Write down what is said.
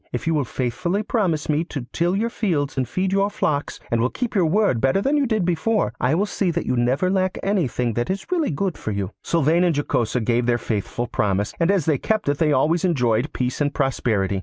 If you will faithfully promise me to till your fields and feed your flocks, and will keep your word better than you did before, I will see that you never lack anything that is really for your good.' Sylvain and Jocosa gave their faithful promise, and as they kept it they always enjoyed peace and prosperity.